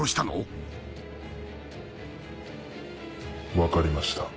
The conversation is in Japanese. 分かりました。